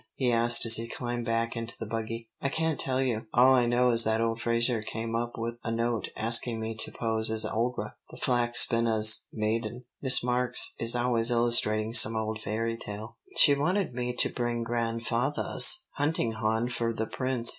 he asked as he climbed back into the buggy. "I can't tell you. All I know is that old Frazer came up with a note asking me to pose as Olga, the Flax spinnah's maiden. Miss Marks is always illustrating some old fairy tale. She wanted me to bring grandfathah's hunting hawn for the prince.